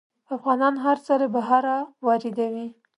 افغانان هر څه له بهر واردوي.